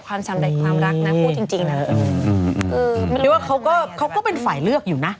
แต่ความรักนะว่าจริง๒๐๒๑๐๐